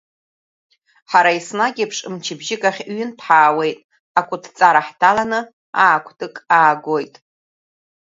Ҳара еснагь еиԥш мчыбжьык ахь ҩынтә ҳаауеит, акәытҵара ҳҭаланы аа-кәтык аагоит.